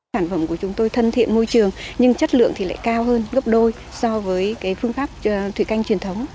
sản phẩm của chúng tôi thân thiện môi trường nhưng chất lượng thì lại cao hơn gấp đôi so với phương pháp thủy canh truyền thống